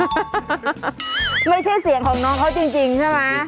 ไม่ใช่เสียงของน้องเขาจริงใช่ไหม